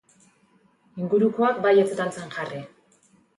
Ingurukoak baietz dantzan jarri!